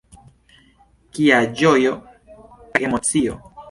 Kia ĝojo kaj emocio!